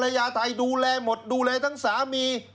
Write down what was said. ยาไทยดูแลหมดดูแลทั้งสามี